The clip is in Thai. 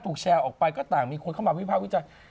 ถูกแชร์ออกไปก็ต่างมีคนเข้ามาวิภาวิจัย